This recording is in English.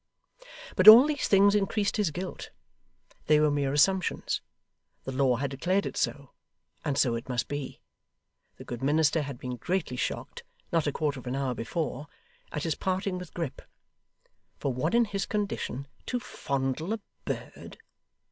But all these things increased his guilt. They were mere assumptions. The law had declared it so, and so it must be. The good minister had been greatly shocked, not a quarter of an hour before, at his parting with Grip. For one in his condition, to fondle a bird!